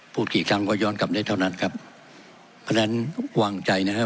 พูดกี่ครั้งก็ย้อนกลับได้เท่านั้นครับเพราะฉะนั้นวางใจนะครับ